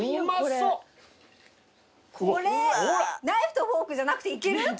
ナイフとフォークじゃなくていける？